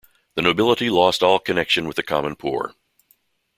The nobility lost all connection with the common poor.